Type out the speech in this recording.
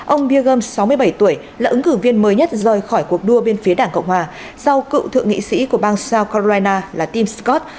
ông peergum sáu mươi bảy tuổi là ứng cử viên mới nhất rời khỏi cuộc đua bên phía đảng cộng hòa sau cựu thượng nghị sĩ của bang south carolina là tim scott